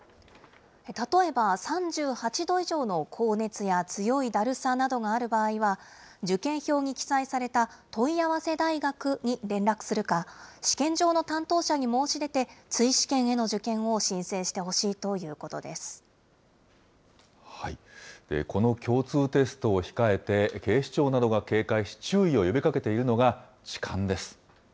例えば、３８度以上の高熱や強いだるさなどがある場合は、受験票に記載された問い合わせ大学に連絡するか、試験場の担当者に申し出て、追試験への受験を申請してほしいといこの共通テストを控えて、警視庁などが警戒し、注意を呼びかけているのが、痴漢です。